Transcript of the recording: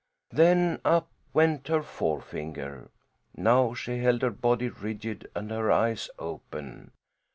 Then up went her forefinger. Now she held her body rigid and her eyes open.